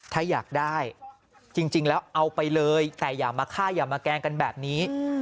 ถ้าอยากได้จริงแล้วเอาไปเลยแต่อย่ามาฆ่าอย่ามาแกล้งกันแบบนี้